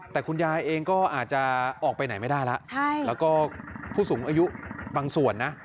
แต่คุณยายเองก็อาจจะออกไปไหนไม่ได้แล้วแล้วก็ผู้สูงอายุบางส่วนนะ